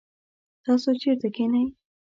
تاسو چیرته کښېنئ؟